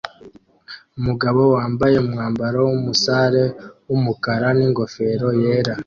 Umugabo wambaye umwambaro wumusare wumukara ningofero yera